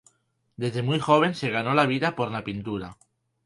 Desde muy joven se ganó la vida por la pintura.